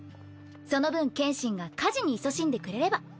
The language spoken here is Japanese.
その分剣心が家事にいそしんでくれれば。